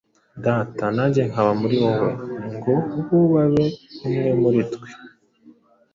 Data, nanjye nkaba muri wowe, ngo na bo babe umwe muri twe,